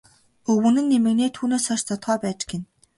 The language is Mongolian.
Өвгөн нь эмгэнээ түүнээс хойш зодохоо байж гэнэ.